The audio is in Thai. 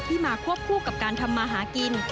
มาควบคู่กับการทำมาหากิน